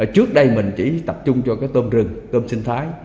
trước đây mình chỉ tập trung cho cái tôm rừng tôm sinh thái